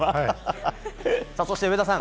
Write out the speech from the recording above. そして、上田さん